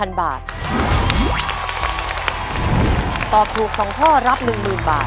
ตอบถูก๒ข้อรับ๑๐๐๐บาท